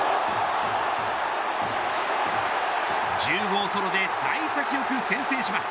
１０号ソロで幸先よく先制します。